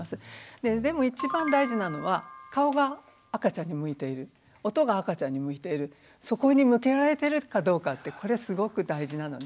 でも一番大事なのは顔が赤ちゃんに向いている音が赤ちゃんに向いているそこに向けられてるかどうかってこれすごく大事なので。